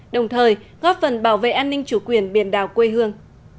đồng thời góp phần bảo vệ an ninh chủ quyền biển đảo quê hương